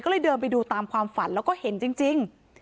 ก็เลยเดินไปดูตามความฝันแล้วก็เห็นจริง